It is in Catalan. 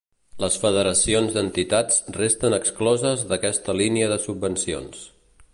Les federacions d'entitats resten excloses d'aquesta línia de subvencions.